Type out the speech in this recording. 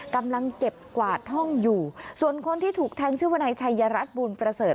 กำลังเก็บกวาดห้องอยู่ส่วนคนที่ถูกแทงชื่อวนายชัยรัฐบุญประเสริฐ